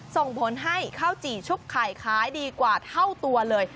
ส่งผลให้ข้าวจี่ชุบไข่ขายดีกว่าเท่าตัวเลย